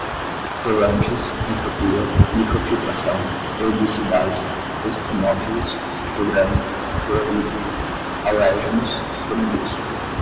quelantes, entropia, microfiltração, herbicidase, extremófilos, pictograma, fluorídrico, alérgenos, venenoso